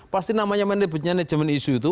pasti namanya manajemen manajemen isu itu